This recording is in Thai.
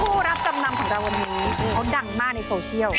ผู้รับจำนำของเราวันนี้เขาดังมากในโซเชียล